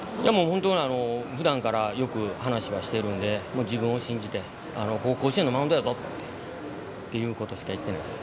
ふだんからよく話はしているので自分を信じて、甲子園のマウンドやぞ！ってことしか言ってないです。